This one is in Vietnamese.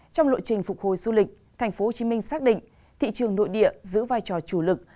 trong lộ trình phục hồi du lịch tp hcm xác định thị trường nội địa giữ vai trò chủ lực